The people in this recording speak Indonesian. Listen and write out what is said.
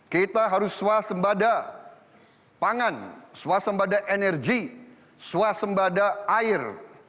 kita harus swasembada pangan swasembada energi swasembada air